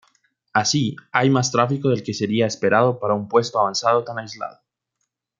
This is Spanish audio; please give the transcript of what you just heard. Así, hay más tráfico del que sería esperado para un puesto avanzado tan aislado.